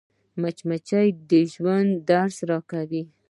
مچمچۍ د ژوند درس راکوي